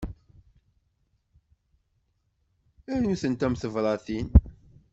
Aru-tent am tebratin.